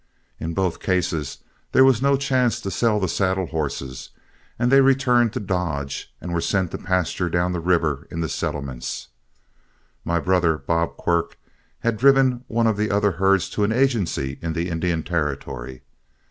In both cases there was no chance to sell the saddle horses, and they returned to Dodge and were sent to pasture down the river in the settlements. My brother, Bob Quirk, had driven one of the other herds to an agency in the Indian Territory.